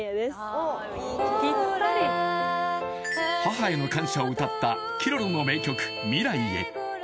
母への感謝を歌ったＫｉｒｏｒｏの名曲「未来へ」